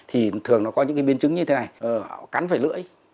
thì thường nó có những biến chứng như thế này cắn phải lưỡi